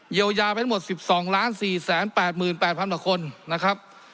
เยียวยาไปทั้งหมด๑๒๔๘๘๐๐กว่าคนนะครับ